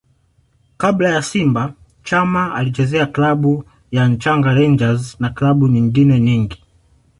Kabla ya Simba Chama alizichezea klabu ya Nchanga Rangers na klabu nyengine nyingi